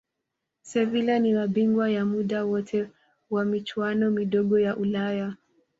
sevila ni mabingwa wa muda wote wa michuano midogo ya ulaya